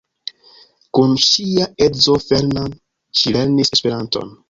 Kun ŝia edzo Fernand ŝi lernis Esperanton.